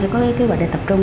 có kế hoạch để tập trung